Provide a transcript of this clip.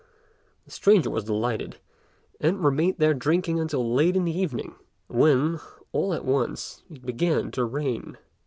The stranger was delighted, and remained there drinking until late in the evening, when, all at once, it began to rain.